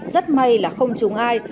rất may là không trúng ai